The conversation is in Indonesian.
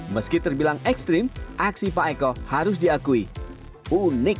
meski terbilang ekstrim aksi pak eko harus diakui unik